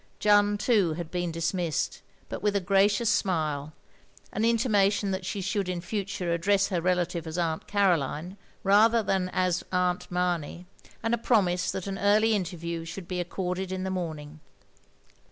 Jeanne, too, had been dismissed — ^but with a gracious smile, an intimation that she should in futtire address her relative as Aunt Caroline, rather than as Atmt Mamey — and a promise that an early interview should be accorded in the morning.